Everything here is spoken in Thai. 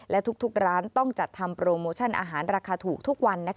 และทุกร้านต้องจัดทำโปรโมชั่นอาหารราคาถูกทุกวัน